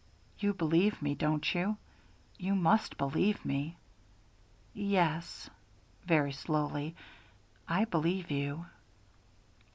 You believe me, don't you? You must believe me!" "Yes," very slowly, "I believe you."